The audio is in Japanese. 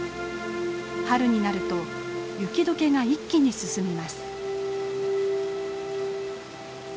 春になると雪解けが一気に進みます。